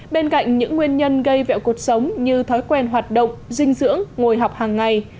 bên cạnh những nguyên nhân gây vẹo cuộc sống như thói quen hoạt động dinh dưỡng ngồi học hàng ngày